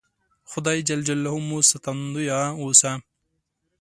خدای ج مو ساتندویه اوسه